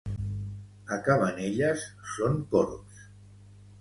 A Cabanelles són corbs.